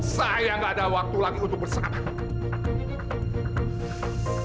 saya gak ada waktu lagi untuk bersenang mengang